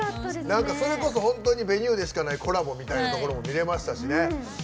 それこそ本当に「Ｖｅｎｕｅ」でしかないコラボみたいなのも見れましたしね。